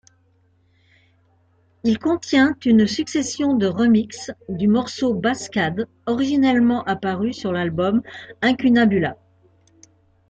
Il contient une succession de remixes du morceau Basscad originellement apparu sur l'album Incunabula.